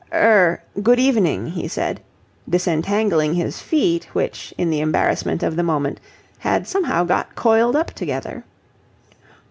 "Er good evening," he said, disentangling his feet, which, in the embarrassment of the moment, had somehow got coiled up together.